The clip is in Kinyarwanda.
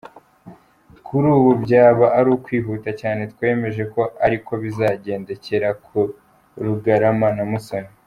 Kuri ubu byaba ari ukwihuta cyane twemeje ko ariko bizagendekera Karugarama na Musoni.